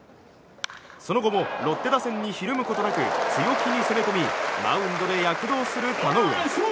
その後もロッテ打線にひるむことなく強気に攻め込みマウンドで躍動する田上。